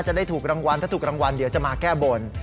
จะได้ถูกรางวัลถ้าถูกรางวัลเดี๋ยวจะมาแก้บน